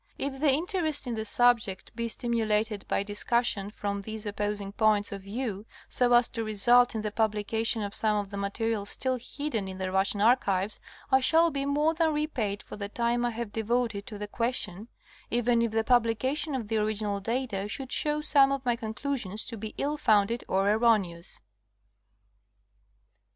If the interest in the subject be stimulated by discussion from these opposing points of view, so as to result in the publication of some of the material still hidden in the Russian archives I shall be more than repaid for the time I have devoted to the question, even if the publication of the original data should show some of my conclusions to be ill founded or erroneous.